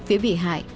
phía bị hại